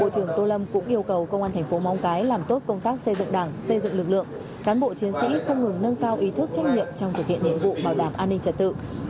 trước khi công tác xây dựng đảng xây dựng lực lượng cán bộ chiến sĩ không ngừng nâng cao ý thức trách nhiệm trong thực hiện nhiệm vụ bảo đảm an ninh trả tự